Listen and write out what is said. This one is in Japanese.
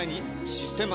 「システマ」